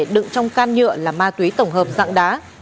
đựng trong can nhựa là ma túy tổng hợp dạng đá